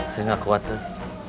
saya gak kuat tuh